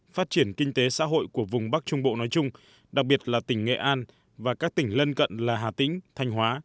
phát triển kinh tế xã hội của vùng bắc trung bộ nói chung đặc biệt là tỉnh nghệ an và các tỉnh lân cận là hà tĩnh thanh hóa